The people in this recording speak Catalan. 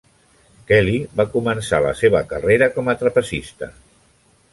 Kelly va començar la seva carrera com a trapezista.